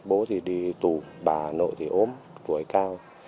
bố thì đi tù bà hà nội thì ốm tuổi cao